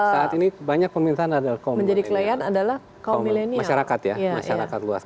saat ini banyak pemerintahan adalah kaum milenial